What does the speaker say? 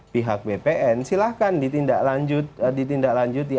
pihak bpn silahkan ditindaklanjuti